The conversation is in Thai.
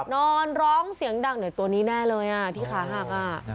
นอนร้องเสียงดังหน่อยตัวนี้แน่เลยที่ขาหัก